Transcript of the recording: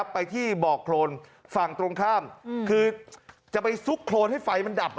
ไปที่บอกโครนฝั่งตรงข้ามคือจะไปซุกโครนให้ไฟมันดับ